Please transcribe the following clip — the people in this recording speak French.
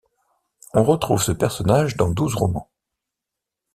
On retrouve ce personnage dans douze romans.